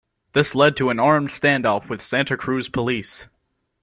This led to an armed standoff with Santa Cruz police.